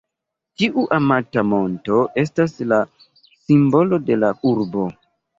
Tiu amata monto estas la simbolo de la urbo.